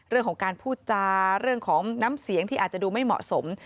เรื่องของการพูดจาเรื่องของน้ำเสียงที่อาจจะดูไม่เหมาะสม